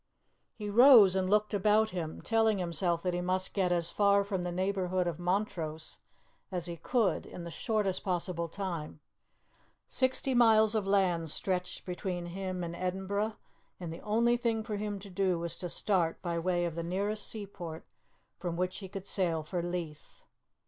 He rose and looked about him, telling himself that he must get as far from the neighbourhood of Montrose as he could in the shortest possible time. Sixty miles of land stretched between him and Edinburgh, and the only thing for him to do was to start by way of the nearest seaport from which he could sail for Leith.